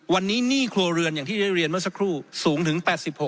วันนี้หนี้ครัวเรือนอย่างที่ได้เรียนเมื่อสักครู่สูงถึง๘๖